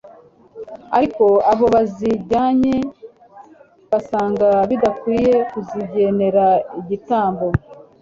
ariko abo bazijyanye basanga bidakwiye kuzigenera igitambo